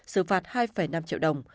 xử phạt hai năm triệu đồng